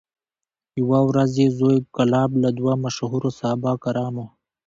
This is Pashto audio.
یوه ورځ یې زوی کلاب له دوو مشهورو صحابه کرامو